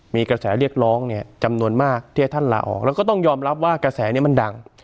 มีกระแสเรียกร้องเนี่ยจำนวนมากที่ให้ท่านลาออกแล้วก็ต้องยอมรับว่ากระแสนี้มันดัง